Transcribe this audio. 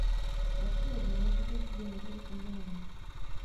V praxi je vhodné tyto dvě metody kombinovat.